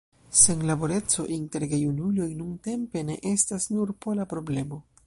Senlaboreco inter gejunuloj nuntempe ne estas nur pola problemo.